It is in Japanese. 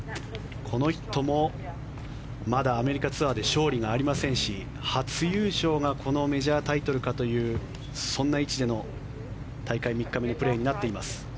この人もまだアメリカツアーで勝利がありませんし初優勝がこのメジャータイトルかというそんな位置での大会３日目のプレーになっています。